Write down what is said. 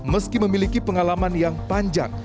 meski memiliki pengalaman yang panjang